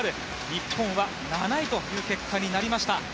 日本は７位という結果になりました。